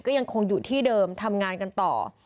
ก็ยังคงอยู่ที่เดิมทำงานกันต่อ